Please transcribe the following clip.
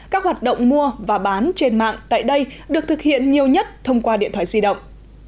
các hoạt động mua và bán trên mạng tại đây được thực hiện nhiều nhất thông qua điện thoại di động